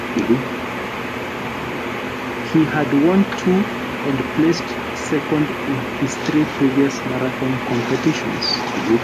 He had won two and placed second in his three previous marathon competitions.